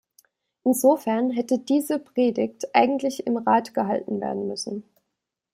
Insofern hätte diese Predigt eigentlich im Rat gehalten werden müssen.